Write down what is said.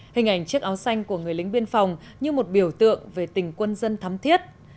hình ảnh chiếc áo xanh của người lính biên phòng như một biểu tượng về tình quân dân thắm thiết